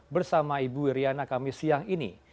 bersama ibu iryana kami siang ini